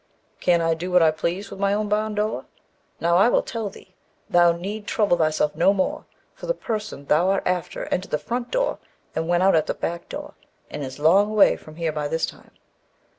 "Can't I do what I please with my own barn door? Now I will tell thee; thou need trouble thyself no more, for the person thou art after entered the front door and went out at the back door, and is a long way from here by this time.